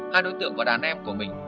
hai đối tượng và đàn em của mình